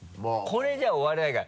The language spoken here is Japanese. これじゃ終われないから。